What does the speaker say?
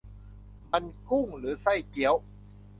มัน 'กุ้ง' หรือ 'ไส้เกี๊ยว' ?